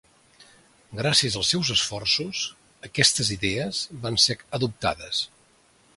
Gràcies als seus esforços, aquestes idees van ser adoptades.